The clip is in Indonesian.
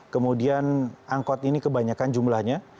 kemudian angkot ini kebanyakan jumlahnya